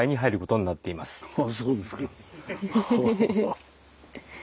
ああそうですか。